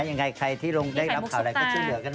ยังไงใครที่ลงได้รับข่าวอะไรก็ช่วยเหลือกัน